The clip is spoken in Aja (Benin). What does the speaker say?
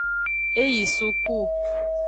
E yi suku.